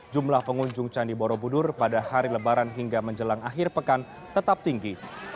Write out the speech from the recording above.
jumlah pengunjung candi borobudur pada hari lebaran hingga menjelang akhir pekan tetap tinggi